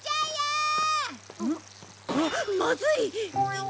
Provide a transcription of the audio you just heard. わっまずい！